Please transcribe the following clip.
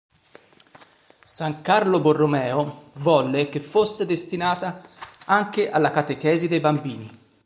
San Carlo Borromeo volle che fosse destinata anche alla catechesi dei bambini.